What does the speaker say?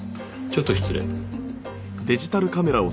ちょっと失礼。